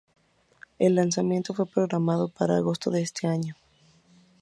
El lanzamiento fue programado para agosto de ese año.